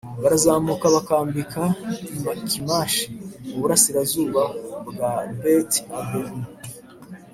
barazamuka bakambika i mikimashi mu burasirazuba bwa beti aveni